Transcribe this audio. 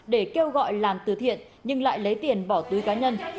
để kêu gọi làm từ thiện nhưng lại lấy tiền bỏ túi cá nhân